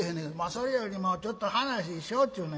「それよりもちょっと話しようちゅうねん。